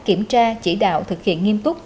kiểm tra chỉ đạo thực hiện nghiêm túc